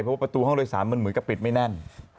เพราะว่าประตูห้องโดยสารมันเหมือนกับปิดไม่แน่น